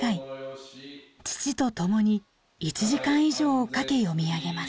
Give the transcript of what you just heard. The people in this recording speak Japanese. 父とともに１時間以上をかけ読み上げます。